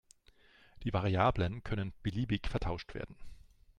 Die Variablen können beliebig vertauscht werden.